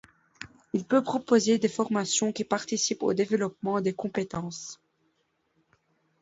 Il peut proposer des formations qui participent au développement des compétences.